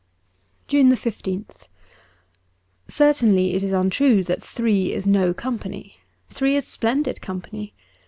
'' 183 JUNE 15th ' •'CERTAINLY, it is untrue that three is no \,^_^ company. Three is splendid company.